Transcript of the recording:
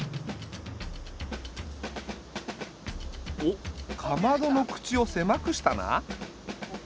おっかまどの口を狭くしたな。